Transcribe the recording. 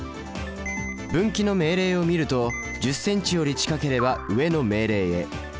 分岐の命令を見ると１０ｃｍより近ければ上の命令へ。